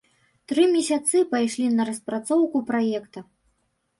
Тры месяцы пайшлі на распрацоўку праекта.